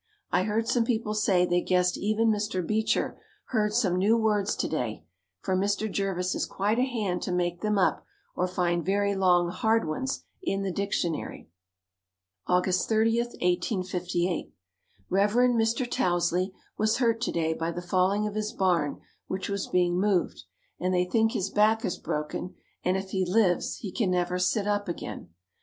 I heard some people say they guessed even Mr. Beecher heard some new words to day, for Mr. Jervis is quite a hand to make them up or find very long hard ones in the dictionary. August 30, 1858. Rev. Mr. Tousley was hurt to day by the falling of his barn which was being moved, and they think his back is broken and if he lives he can never sit up again.